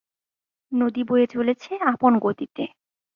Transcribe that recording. নদী বয়ে চলেছে আপন গতিতে।